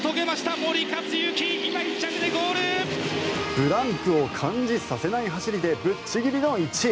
ブランクを感じさせない走りで、ぶっちぎりの１位。